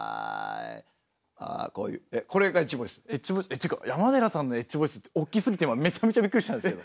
っていうか山寺さんのエッジボイス大きすぎて今めちゃめちゃびっくりしたんですけど。